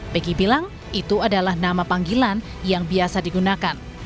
begy bilang itu adalah nama panggilan yang biasa digunakan